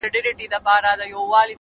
سم به خو دوى راپسي مه ږغوه.